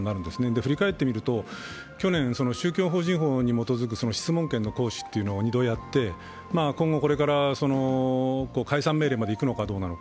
振り返ってみると、去年、宗教法人法に基づく質問権の行使というのを２度やって今後これから解散命令までいくのかどうなのか。